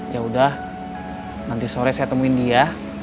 yaudah nanti sore saya temuin dia